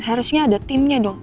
harusnya ada timnya dong